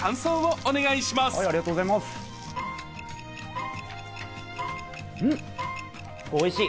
おいしい！